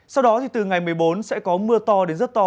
sau đó thì từ ngày một mươi bốn sẽ có mưa to đến rất to